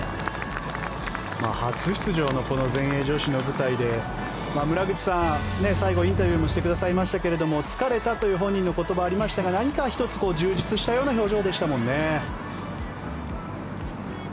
初出場の全英女子の舞台で村口さん、最後インタビューもしてくださいましたが疲れたという本人の言葉がありましたが何か１つ、充実したような表情でしたもんね。